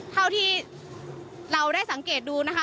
เท่าที่เราได้สังเกตดูนะคะ